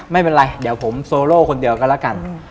ไม่เป็นไรเดี๋ยวผมโซโล่คนเดียวกันแล้วกัน